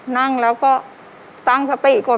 นั่งแล้วก็ตั้งสติก่อน